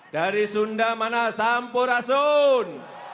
dari sunda mana sampurasun